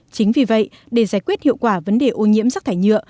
chính vì vậy để giải quyết hiệu quả vấn đề ô nhiễm rác thải nhựa